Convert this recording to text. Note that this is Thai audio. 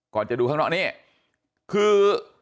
ก่อนจะดูข้างนอกนี่คือ